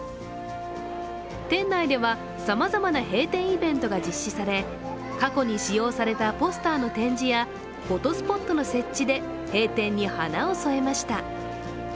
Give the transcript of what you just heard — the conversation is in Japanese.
店内ではさまざまな閉店イベントが実施され過去に使用されたポスターの展示やフォトスポットの設置で閉店に花を添えました。